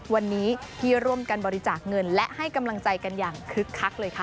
วันนี้ที่ร่วมกันบริจาคเงินและให้กำลังใจกันอย่างคึกคักเลยค่ะ